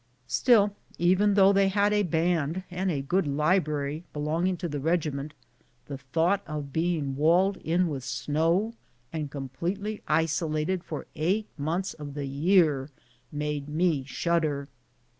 Still, though they had a band and a good li brary belonging to the regiment, the thought of being walled in with snow, and completely isolated for eight months of the year, made me shudder.